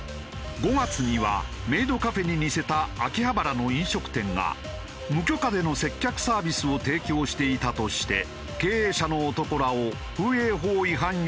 ５月にはメイドカフェに似せた秋葉原の飲食店が無許可での接客サービスを提供していたとして経営者の男らを風営法違反容疑で逮捕。